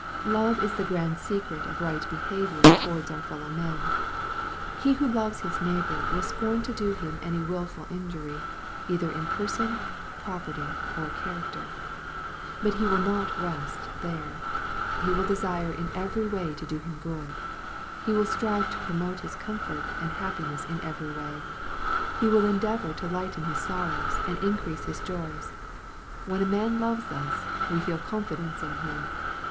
Love is the grand secret of right behavior towards our fellow men.. He who loves his neighbor will scorn to do him any wilful injury, either in person, property, or character. — But he will not rest there. He will desire in every way to do him good. He will strive to promote his comfort and happiness in every way. He will endeavor to lighten his sorrows, and increase his joys. When a man loves us, we feel confidence in him.